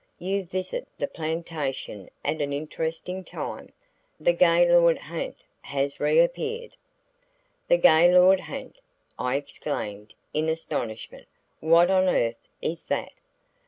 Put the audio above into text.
"You visit the plantation at an interesting time. The Gaylord ha'nt has reappeared." "The Gaylord ha'nt!" I exclaimed in astonishment. "What on earth is that?"